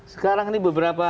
sekarang ini beberapa